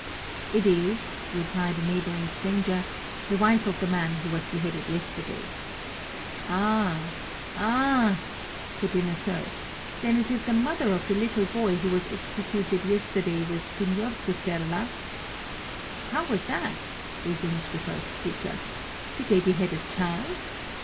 "It is," replied a neighboring stranger, "the wife of the man who was beheaded yesterday." "Ah, ah!" put in a third, "then it is the mother of the little boy who was executed yesterday with Signor Pusterla?" "How was that?" resumed the first speaker; "did they behead a child?"